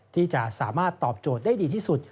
ที่จะสามารถตอบโจทย์ได้ดีที่สุด